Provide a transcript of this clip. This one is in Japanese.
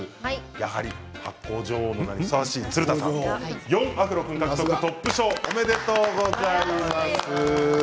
やはり発酵女王の名にふさわしい鶴田さんが４アフロ君で優勝おめでとうございます。